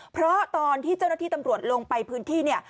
เพราะตอนที่เจ้าหน้าที่ตำรวจลงไปพื้นที่เนี่ย